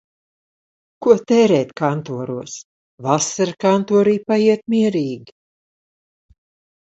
Ko tērēt kantoros. Vasara kantorī paiet mierīgi.